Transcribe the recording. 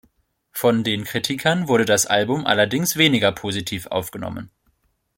Von den Kritikern wurde das Album allerdings weniger positiv aufgenommen.